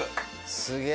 すげえ！